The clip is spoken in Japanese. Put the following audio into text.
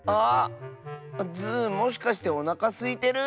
ズーもしかしておなかすいてる？